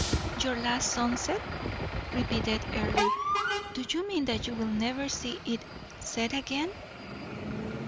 "Your last sunset?" repeated Earle. "Do you mean that you will never see it set again?"